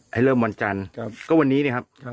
ให้เริ่มวันจันทร์ก็วันนี้นะครับ